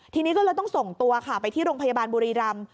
ทีนี้ก็เลยต้องส่งตัวค่ะไปที่โรงพยาบาลบุรีรำ